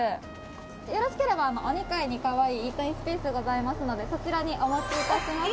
よろしければお二階にかわいいイートインスペースございますのでそちらにお持ち致します。